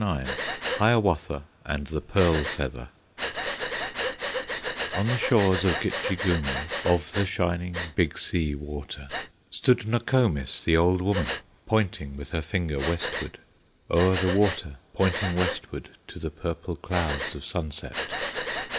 IX Hiawatha and the Pearl Feather On the shores of Gitche Gumee, Of the shining Big Sea Water, Stood Nokomis, the old woman, Pointing with her finger westward, O'er the water pointing westward, To the purple clouds of sunset.